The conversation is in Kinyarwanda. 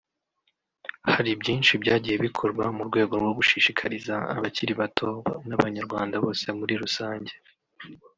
Hari byinshi byagiye bikorwa mu rwego rwo gushishikariza abakiri bato n’abanyarwanda bose muri rusange